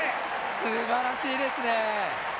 すばらしいですね。